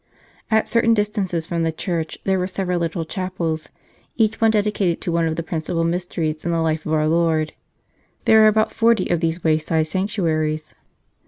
At certain distances from the church there were several little chapels, each one dedicated to one of the principal mysteries in the life of our Lord ; there were about forty of these wayside sanctuaries.